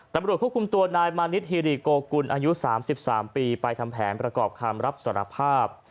ตำรวจควบคุมตัวนายมานิดฮิริโกกุลอายุ๓๓ปีไปทำแผนประกอบคำรับสารภาพ